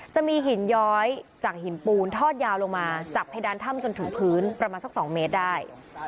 จะมีหินย้อยจากหินปูนทอดยาวลงมาจากเพดานถ้ำจนถึงพื้นประมาณสัก๒เมตรได้